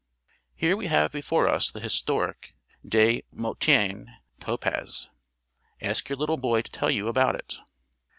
Here we have before us the historic de Montigny topaz. Ask your little boy to tell you about it.